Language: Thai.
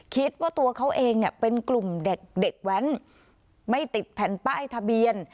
คิดว่าตัวเขาเองเนี่ยเป็นกลุ่มเด็กแว้นไม่ติดแผ่นป้ายทะเบียน